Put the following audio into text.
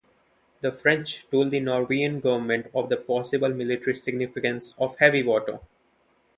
The French told the Norwegian government of the possible military significance of heavy water.